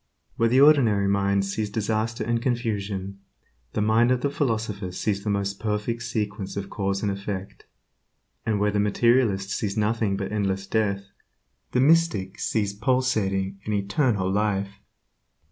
Where the ordinary mind sees disaster and confusion, the mind of the philosopher sees the most perfect sequence of cause and effect, and where the materialist sees nothing but endless death, the mystic sees pulsating and eternal life.